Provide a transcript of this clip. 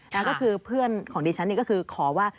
แล้วก็คือเพื่อนของดิฉันนี่ก็คือขอว่า